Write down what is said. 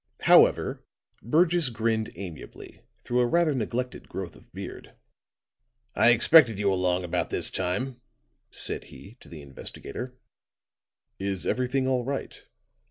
However, Burgess grinned amiably through a rather neglected growth of beard. "I expected you along about this time," said he, to the investigator. "Is everything all right?"